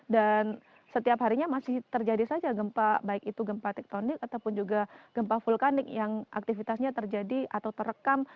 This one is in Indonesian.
dan setiap harinya masih terjadi saja gempa baik itu gempa tektonik ataupun juga gempa vulkanik yang aktivitasnya terjadi atau terekam